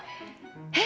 えっ⁉